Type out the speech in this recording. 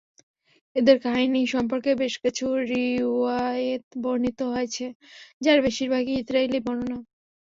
এদের কাহিনী সম্পর্কে বেশ কিছু রিওয়ায়েত বর্ণিত হয়েছে, যার বেশির ভাগই ইসরাঈলী বর্ণনা।